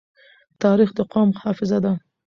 تاریخ د قوم حافظه ده.